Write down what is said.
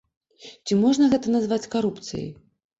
Ці можна гэта назваць карупцыяй?